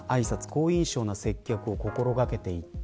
好印象な接客を心掛けていった。